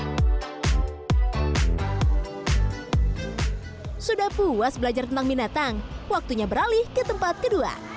nah aku udah puas belajar tentang minatang waktunya beralih ke tempat kedua